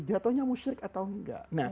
jatuhnya musyrik atau enggak